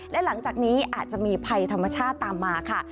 และหลังจากนี้อาจจะมีภัยธรรมชาติตามมาค่ะ